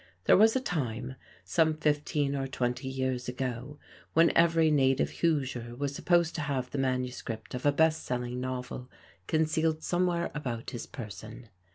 There was a time, some fifteen or twenty years ago, when every native Hoosier was supposed to have the manuscript of a "Best Selling" novel concealed somewhere about his person.